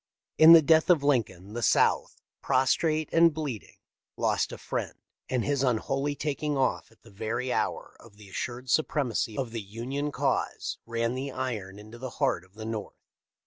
In the death of Lincoln the South, prostrate and bleeding, lost a friend; and his unholy taking off S80 THE LIFE OF LINCOLN. at the very hour of the assured supremacy of the Union cause ran the iron into the heart of the North.